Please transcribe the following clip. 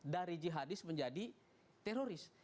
dari jihadis menjadi teroris